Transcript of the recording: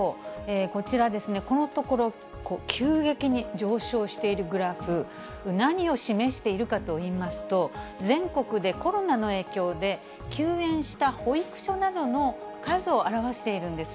こちら、このところ、急激に上昇しているグラフ、何を示しているかといいますと、全国でコロナの影響で休園した保育所などの数を表しているんです。